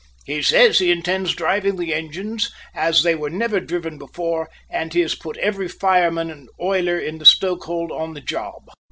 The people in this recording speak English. He says he intends driving the engines as they were never driven before, and he has put every fireman and oiler in the stoke hold on the job."